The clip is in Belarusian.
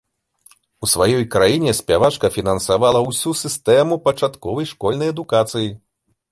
У сваёй краіне спявачка фінансавала ўсю сістэму пачатковай школьнай адукацыі.